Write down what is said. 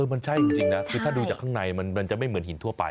มันใช่จริงนะคือถ้าดูจากข้างในมันจะไม่เหมือนหินทั่วไป